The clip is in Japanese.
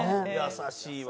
優しいわ。